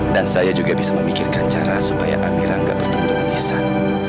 dan saya juga bisa memikirkan cara supaya amirah gak bertemu dengan ihsan